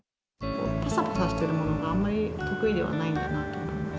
ぱさぱさしているものがあまり得意ではないんだなと思います。